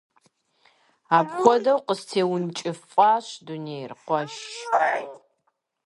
Апхуэдэу къыстеункӀыфӀащ дунейр, къуэш.